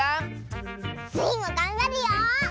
スイもがんばるよ！